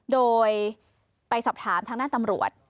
โดยไปสอบถามทางด้านตำรวจ